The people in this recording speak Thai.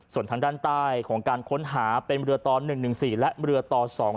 ส่วนทางด้านใต้ของการค้นหาเป็นเรือตอน๑๑๔และเรือต่อ๒